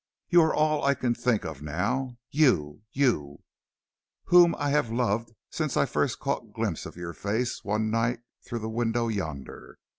"You are all I can think of now; you, you, whom I have loved since I caught the first glimpse of your face one night through the window yonder.